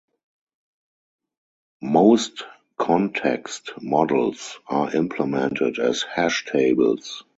Most context models are implemented as hash tables.